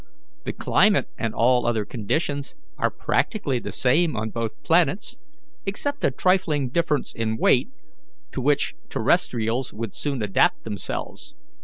The climate and all other conditions are practically the same on both planets, except a trifling difference in weight, to which terrestrials would soon adapt themselves.